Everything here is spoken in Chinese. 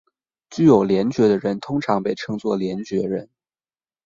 具有联觉的人通常被称作联觉人。